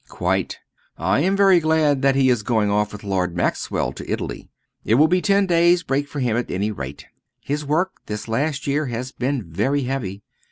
"Quite. I am very glad that he is going off with Lord Maxwell to Italy. It will be ten days' break for him at any rate. His work this last year has been very heavy.